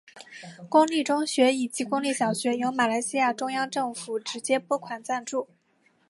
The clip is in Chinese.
公立中学以及公立小学由马来西亚中央政府直接拨款赞助。